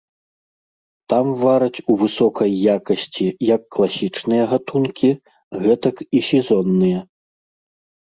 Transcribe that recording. Там вараць у высокай якасці як класічныя гатункі, гэтак і сезонныя.